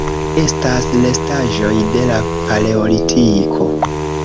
Estas restaĵoj de la Paleolitiko.